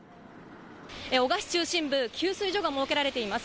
男鹿市中心部、給水所が設けられています。